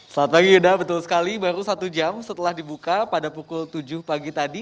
selamat pagi yuda betul sekali baru satu jam setelah dibuka pada pukul tujuh pagi tadi